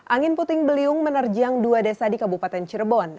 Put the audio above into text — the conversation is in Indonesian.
angin puting beliung menerjang dua desa di kabupaten cirebon